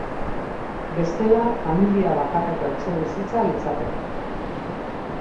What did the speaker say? Bestela, familia bakarreko etxebizitza litzateke.